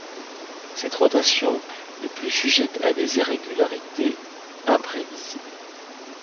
Cette rotation est de plus sujette à des irrégularités imprévisibles.